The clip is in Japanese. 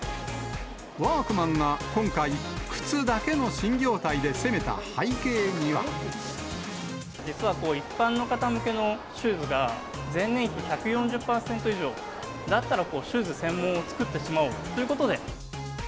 ワークマンが今回、実は一般の方向けのシューズが、前年比１４０％以上、だったらシューズ専門を作ってしまおうということで。